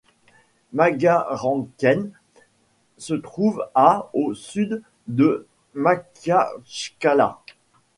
Magaramkent se trouve à au sud de Makhatchkala.